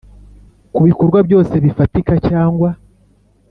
Ku bikorwa byose bifatika cyangwa